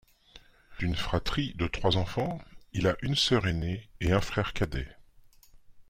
D’une fratrie de trois enfants, il a une sœur ainée et un frère cadet.